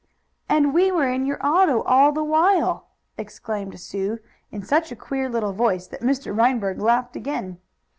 "And we were in your auto all the while!" exclaimed Sue, in such a queer little voice that Mr. Reinberg laughed again.